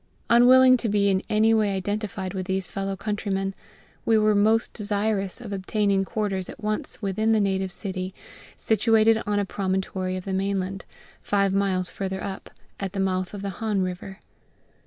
Unwilling to be in any way identified with these fellow countrymen, we were most desirous of obtaining quarters at once within the native city, situated on a promontory of the mainland, five miles farther up, at the mouth of the Han river.